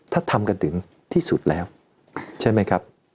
ถ้าทำกันถึงที่สุดแล้วใช่ไหมครับ